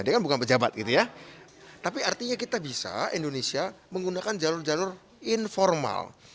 dia kan bukan pejabat gitu ya tapi artinya kita bisa indonesia menggunakan jalur jalur informal